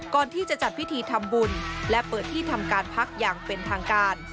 ก่อนที่จะจัดพิธีทำบุญและเปิดที่ทำการพักอย่างเป็นทางการ